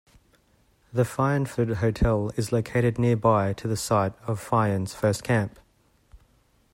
The Fyansford Hotel is located nearby to the site of Fyan's first camp.